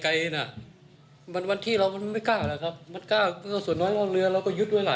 อยู่ในป่ายังเห็นหน้าเรือนะครับ